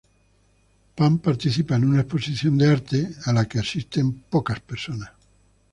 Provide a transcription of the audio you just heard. Pam participa en una exposición de arte, pero que asisten a unas pocas personas.